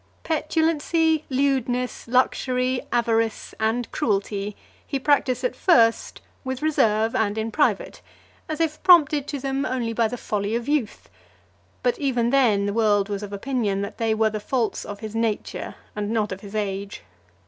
XXVI. Petulancy, lewdness, luxury, avarice, and cruelty, he practised at first with reserve and in private, as if prompted to them only by the folly of youth; but, even then, the world was of opinion that they were the faults of his nature, and not of his age.